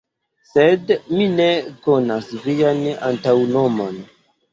Sed mi ne konas vian antaŭnomon.